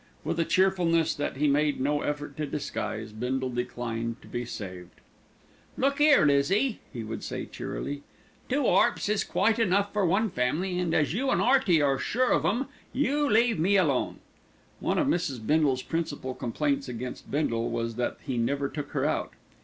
With a cheerfulness that he made no effort to disguise, Bindle declined to be saved. "Look 'ere, Lizzie," he would say cheerily. "Two 'arps is quite enough for one family and, as you and 'Earty are sure of 'em, you leave me alone." One of Mrs. Bindle's principal complaints against Bindle was that he never took her out.